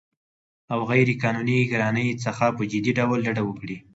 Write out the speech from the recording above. او غیرقانوني ګرانۍ څخه په جدي ډول ډډه وکړي